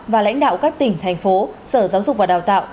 và lãnh đạo các tỉnh thành phố sở giáo dục và đào tạo